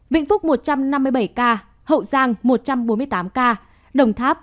vĩnh phúc một trăm năm mươi bảy ca hậu giang một trăm bốn mươi tám ca đồng tháp một trăm ba mươi tám ca